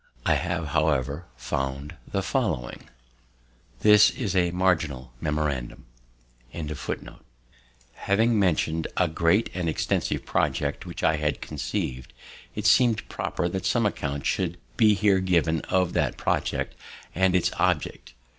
I have, however, found the following."_] This is a marginal memorandum. B. Having mentioned a great and extensive project which I had conceiv'd, it seems proper that some account should be here given of that project and its object.